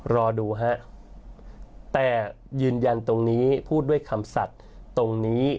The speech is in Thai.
รอดูฮะแต่ยืนยันตรงนี้พูดด้วยคำสัตว์ตรงนี้